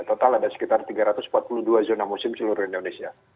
total ada sekitar tiga ratus empat puluh dua zona musim seluruh indonesia